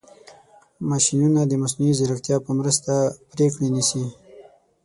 ماشینونه د مصنوعي ځیرکتیا په مرسته پرېکړې نیسي.